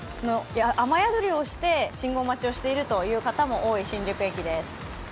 雨宿りをして信号待ちをしている人も多い新宿駅です。